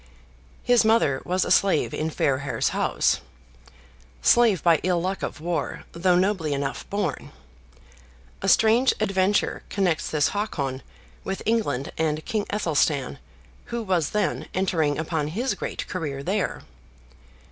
His mother was a slave in Fairhair's house; slave by ill luck of war, though nobly enough born. A strange adventure connects this Hakon with England and King Athelstan, who was then entering upon his great career there.